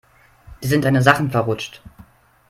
Dir sind deine Sachen verrutscht.